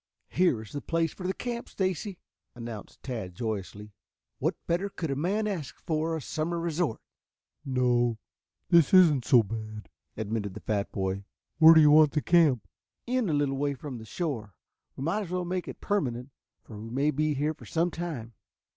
"Here is the place for the camp, Stacy," announced Tad joyously. "What better could a man ask for a summer resort?" "No, this isn't so bad," admitted the fat boy. "Where do you want the camp?" "In a little way from the shore. We might as well make it permanent, for we may be here some time."